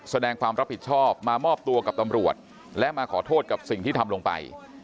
แสดงความรับผิดชอบมามอบตัวกับตำรวจและมาขอโทษกับสิ่งที่ทำลงไป